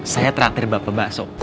saya terakhir bapak masuk